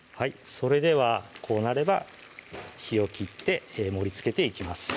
それではこうなれば火を切って盛りつけていきます